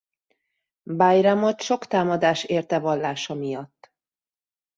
Bajramot sok támadás érte vallása miatt.